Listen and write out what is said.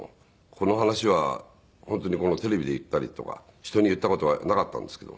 この話は本当にテレビで言ったりとか人に言った事はなかったんですけど。